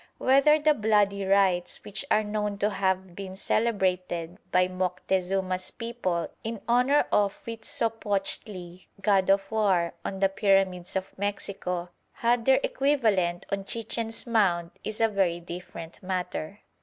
Whether the bloody rites which are known to have been celebrated by Moctezuma's people in honour of Huitzopochtli, God of War, on the pyramids of Mexico had their equivalent on Chichen's mound is a very different matter.